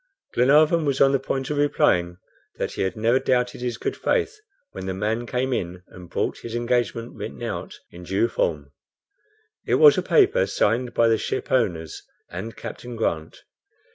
Glenarvan was on the point of replying that he had never doubted his good faith, when the man came in and brought his engagement written out in due form. It was a paper signed by the shipowners and Captain Grant.